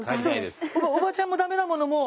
おばちゃんもダメだものもう。